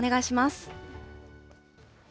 お願いします。